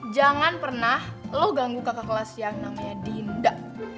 jangan pernah lo ganggu kakak kelas yang namanya dinda